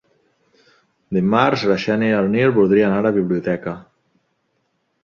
Dimarts na Xènia i en Nil voldria anar a la biblioteca.